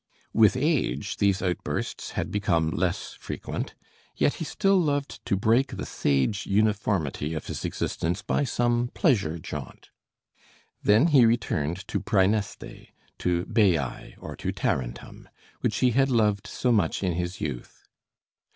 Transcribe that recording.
With age these outbursts had become less frequent, yet he still loved to break the sage uniformity of his existence by some pleasure jaunt. Then he returned to Præneste, to Baiæ, or to Tarentum, which he had loved so much in his youth.